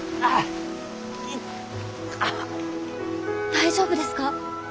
大丈夫ですか？